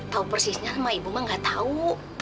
tau persisnya sama ibu mah gak tau